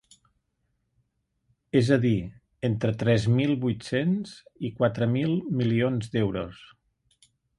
És a dir, entre tres mil vuit-cents i quatre mil milions d’euros.